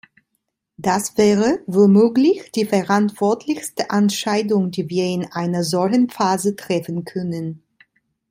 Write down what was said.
Das wäre womöglich die verantwortlichste Entscheidung, die wir in einer solchen Phase treffen können.